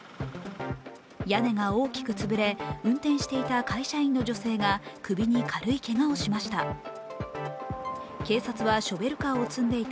屋根が大きく潰れ運転していた会社員の女性が首に軽いけがをしました。